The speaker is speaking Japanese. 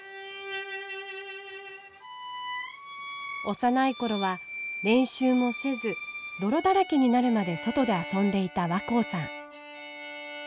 幼い頃は練習もせず泥だらけになるまで外で遊んでいた若生さん。